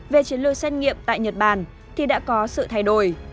về chiến lược xét nghiệm tại nhật bản thì đã có sự thay đổi